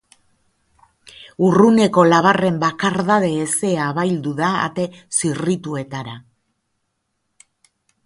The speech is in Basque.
Urruneko labarren bakardade hezea abaildu da ate zirrituetara.